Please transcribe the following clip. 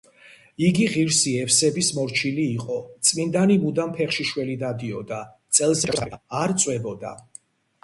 იგი ღირსი ევსების მორჩილი იყო, წმინდანი მუდამ ფეხშიშველი დადიოდა, წელზე ჯაჭვებს ატარებდა, არ წვებოდა.